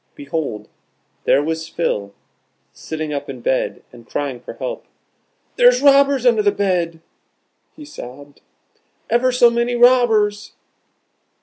Behold there was Phil, sitting up in bed, and crying for help. "There's robbers under the bed," he sobbed; "ever so many robbers."